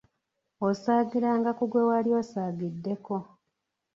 Osaagiranga ku gwe wali osaagiddeko.